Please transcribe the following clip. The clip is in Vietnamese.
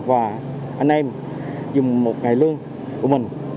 và anh em dùng một ngày lương của mình